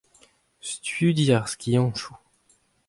Studi ar skiantoù.